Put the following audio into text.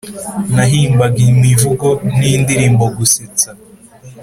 nahimbaga imivugo n’indirimbo gusetsa.